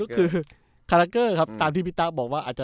คือคาราเกอร์ครับตามที่พี่ตั๊กบอกว่า